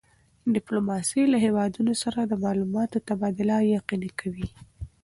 ډیپلوماسي له هېوادونو سره د معلوماتو تبادله یقیني کوي.